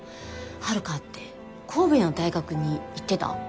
春香って神戸の大学に行ってた？